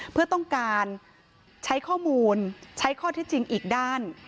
เพื่อต้องการใช้ข้อมูลใช้ข้อเท็จจริงอีกด้าน